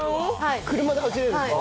車で走れるんですか？